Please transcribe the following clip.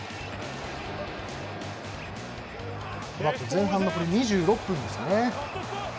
前半２６分です。